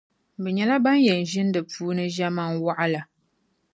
Bɛ nyɛla ban yɛn ʒini di puuni ʒemana waɣila.